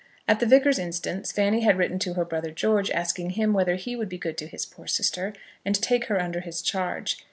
At the Vicar's instance Fanny had written to her brother George, asking him whether he would be good to his poor sister, and take her under his charge.